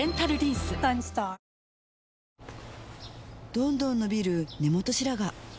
どんどん伸びる根元白髪